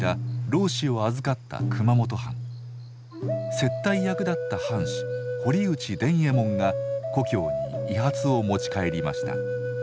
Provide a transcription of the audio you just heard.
接待役だった藩士堀内伝右衛門が故郷に遺髪を持ち帰りました。